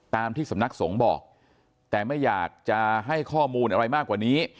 ตามที่สำนักสงฆ์บอกแต่ไม่อยากจะให้ข้อมูลอะไรมากกว่านี้